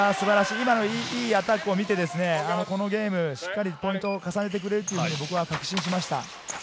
今のいいアタックを見て、このゲーム、しっかりポイントを重ねてくれると僕は確信しました。